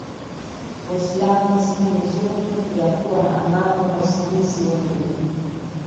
muislam misingi mizuri ya kua na amani ya usingizi wa milele